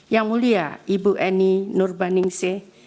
yang mulia ibu eni nurbaningsih